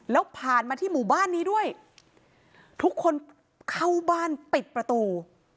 แล้วผ่านมาที่หมู่บ้านนี้ด้วยทุกคนเข้าบ้านปิดประตู